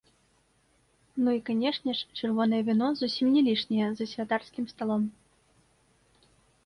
Ну і, канешне ж, чырвонае віно, зусім не лішняе за святарскім сталом.